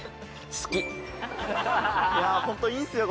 いやホントいいっすよ